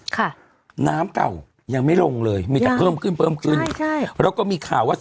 ค่ะน้ำเก่ายังไม่ลงเลยยังมีแต่เพิ่มขึ้นใช่แล้วก็มีข่าวว่า